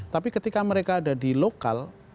tapi ketika mereka ada di lokal